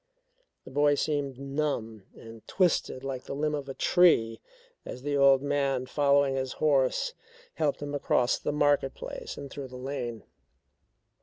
The boy seemed numb and twisted like the limb of a tree as the old man following his horse helped him across the market place and through the lane.